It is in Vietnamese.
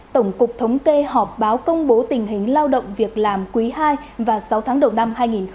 tổng cục thống kê họp báo công bố tình hình lao động việc làm quý hai vào sáu tháng đầu năm hai nghìn hai mươi hai